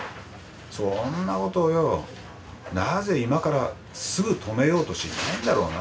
そんなことをなぜ今からすぐ止めようとしないんだろうな。